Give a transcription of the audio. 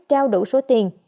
trao đủ số tiền